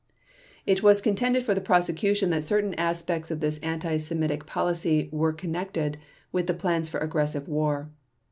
It was contended for the Prosecution that certain aspects of this anti Semitic policy were connected with the plans for aggressive war.